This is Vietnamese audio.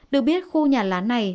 được biết khu nhà lán này